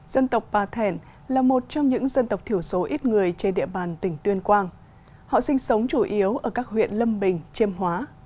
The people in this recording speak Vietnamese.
dân tộc bà thẻn là một trong những dân tộc thiểu số ít người trên địa bàn tỉnh tuyên quang họ sinh sống chủ yếu ở các huyện lâm bình chiêm hóa